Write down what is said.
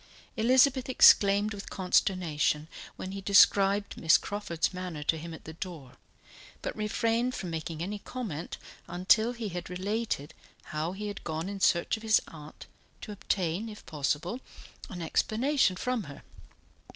Elizabeth exclaimed with consternation when he described Miss Crawford's manner to him at the door, but refrained from making any comment until he had related how he had gone in search of his aunt, to obtain, if possible, an explanation from her.